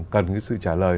cần cái sự trả lời